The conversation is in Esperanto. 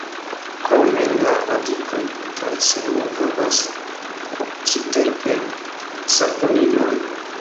Krome la radikoj kaj semoj havas triterpen-saponinojn.